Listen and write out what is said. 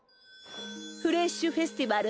フレッシュフェスティバル